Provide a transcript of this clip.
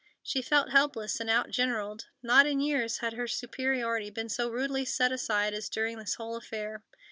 She felt helpless and outgeneraled. Not in years had her superiority been so rudely set aside as during this whole affair.